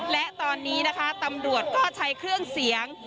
และตอนนี้นะคะตำรวจก็ใช้เครื่องเสียง